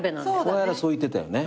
この間そう言ってたよね。